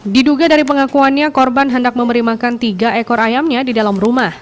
diduga dari pengakuannya korban hendak memberi makan tiga ekor ayamnya di dalam rumah